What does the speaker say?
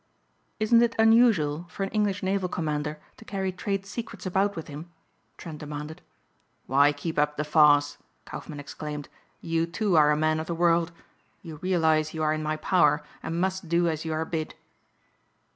"Isn't it unusual for an English naval commander to carry trade secrets about with him?" Trent demanded. "Why keep up the farce?" Kaufmann exclaimed. "You, too, are a man of the world. You realize you are in my power and must do as you are bid."